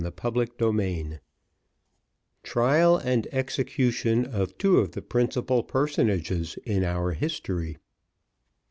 Chapter LIII Trial and execution of two of the principal personages in our history.